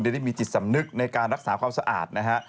ได้มีจิตสำนึกในการรักษาความสะอาดนะฮะ